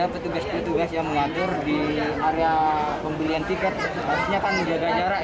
petugas petugas yang mengatur di area pembelian tiket harusnya kan menjaga jarak